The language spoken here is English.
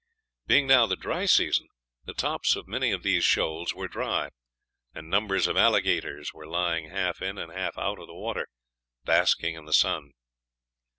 Being now the dry season, the tops of many of these shoals were dry, and numbers of alligators were lying half in and half out of the water, basking in the sun.